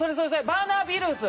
「バーナービルズ」。